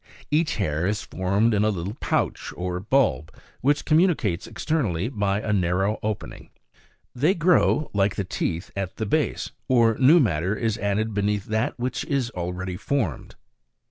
Each hair is formed in a little pouch or bulb, which communicates externally by a narrow opening. They grow, like the teeth, at the base, or new matter is added beneath that which is already formed.